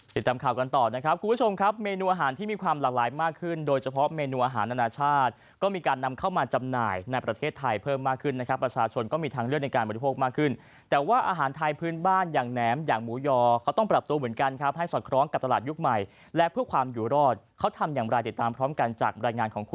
ติดตามข่าวกันต่อนะครับคุณผู้ชมครับเมนูอาหารที่มีความหลากหลายมากขึ้นโดยเฉพาะเมนูอาหารอนาชาติก็มีการนำเข้ามาจำหน่ายในประเทศไทยเพิ่มมากขึ้นนะครับประชาชนก็มีทางเลือกในการบริโภคมากขึ้นแต่ว่าอาหารไทยพื้นบ้านอย่างแหนมอย่างหมูยอเขาต้องปรับตัวเหมือนกันครับให้สอดคล้องกับตลาดยุ